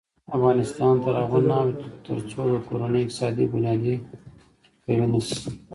افغانستان تر هغو نه ابادیږي، ترڅو د کورنۍ اقتصادي بنیادي قوي نشي.